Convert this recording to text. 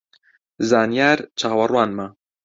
زانیار چاوەڕوانمە